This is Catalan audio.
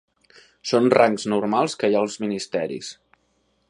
Són rangs normals que hi ha als ministeris.